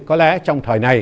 có lẽ trong thời này